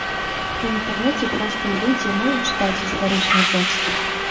У інтэрнэце простыя людзі мала чытаюць гістарычныя тэксты.